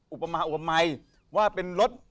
อุปมาอุปมัยว่าเป็นรถ